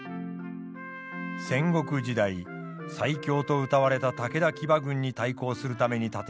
戦国時代最強とうたわれた武田騎馬軍に対抗するために建てられたという馬防柵。